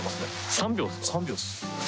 ３秒っす。